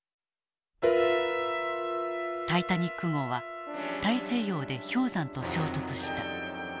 タイタニック号は大西洋で氷山と衝突した。